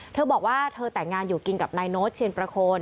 เธอบอกว่าเธอแต่งงานอยู่กินกับนายโน้ตเชียนประโคน